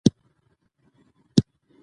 Qari Altaf Adezai